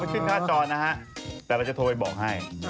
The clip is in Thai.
เราจะขึ้นไห้ช่วงถ้าจรนะครับแต่เราจะโทรไปบอกให้